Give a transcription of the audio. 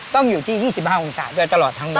ต้องอยู่ที่๒๕องศาด้วยตลอดทั้งวัน